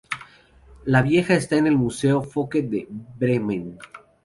La vieja está en el museo Focke de Bremen.